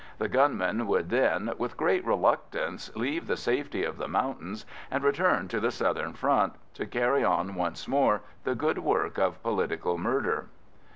The gunmen would then, with great reluctance, leave the safety of the mountains, and return to the southern front, to carry on once more the good work of political murder.